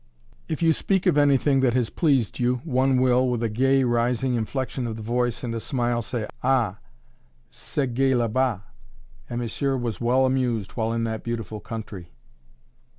If you speak of anything that has pleased you one will, with a gay rising inflection of the voice and a smile, say: "Ah! c'est gai là bas and monsieur was well amused while in that beautiful country?"